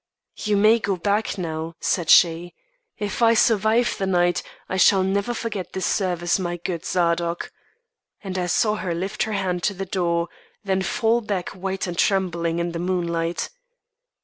"You may go back now," said she. "If I survive the night, I shall never forget this service, my good Zadok." And I saw her lift her hand to the door, then fall back white and trembling in the moonlight.